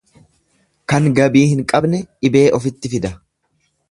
Kan gabii hin qabne dhibee ofitti fida.